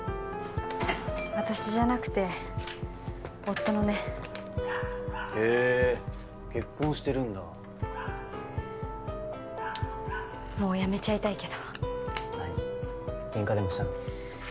私じゃなくて夫のねへえ結婚してるんだもうやめちゃいたいけど何ケンカでもしたの？